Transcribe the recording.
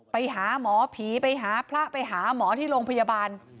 ไปหาหมอผีไปหาพระไปหาหมอที่โรงพยาบาล